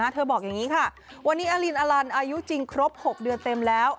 เธอบอกอย่างนี้ค่ะวันนี้อลินอลันอายุจริงครบ๖เดือนเต็มแล้ว